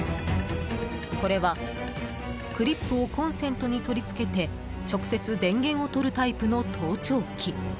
これは、クリップをコンセントに取り付けて直接電源をとるタイプの盗聴器。